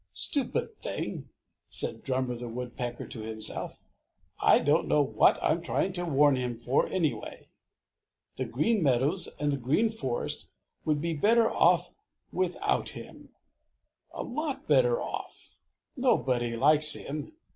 "Stupid thing!" said Drummer the Woodpecker to himself. "I don't know what I am trying to warn him for, anyway. The Green Meadows and the Green Forest would be better off without him, a lot better off! Nobody likes him.